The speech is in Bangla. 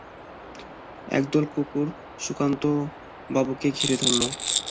একদল কুকুর সুধাকান্তবাবুকে ঘিরে ধরল।